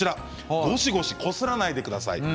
ゴシゴシこすらないでくださいね。